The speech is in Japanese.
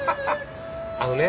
あのね